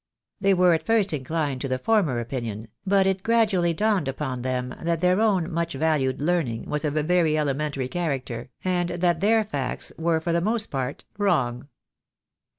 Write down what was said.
They were at first inclined to the former opinion, but it gradually dawned upon them that their own much valued learning was of a very elementary character, and that their facts were for the most part wrong.